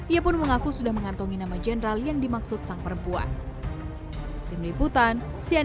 ia pun mengaku sudah mengantongi nama jenderal yang dimaksud sang perempuan